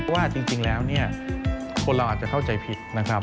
ว่าจริงแล้วเนี่ยคนเราอาจจะเข้าใจผิดนะครับ